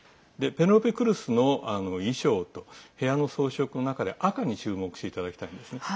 ペネロペ・クルスの、あの衣装と部屋の装飾の中で赤に注目していただきたいんです。